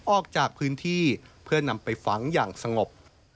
ออกจากพื้นที่เพื่อนำไปฝังอย่างสงบ